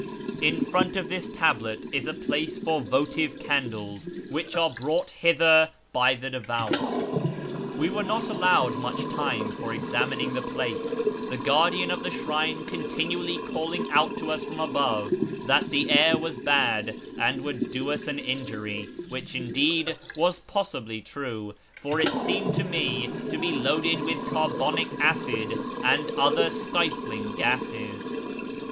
In front of this tablet is a place for votive candles, which are brought hither by the devout. We were not allowed much time for examining the place, the guardian of the shrine continually calling out to us from above that the air was bad and would do us an injury, which, indeed, was possibly true, for it seemed to me to be loaded with carbonic acid or other stifling gases.